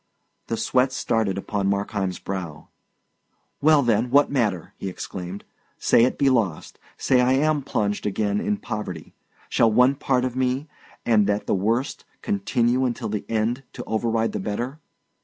The sweat started upon Markheim's brow. "Well then, what matter?" he exclaimed. "Say it be lost, say I am plunged again in poverty, shall one part of me, and that the worse, continue until the end to override the better?